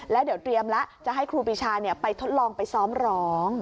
แล้วเดี๋ยวเตรียมแล้วจะให้ครูปีชาไปทดลองไปซ้อมร้อง